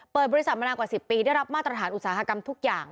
บริษัทมานานกว่า๑๐ปีได้รับมาตรฐานอุตสาหกรรมทุกอย่าง